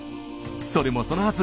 それもそのはず